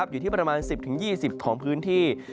อยู่ที่ประมาณ๑๐๒๐ของพื้นที่